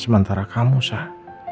sementara kamu sah